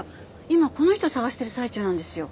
今この人捜してる最中なんですよ。